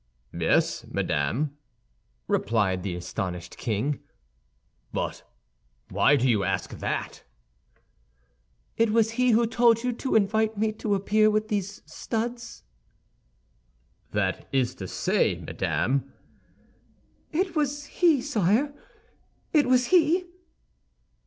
"Yes, madame," replied the astonished king; "but why do you ask that?" "It was he who told you to invite me to appear with these studs?" "That is to say, madame—" "It was he, sire, it was he!"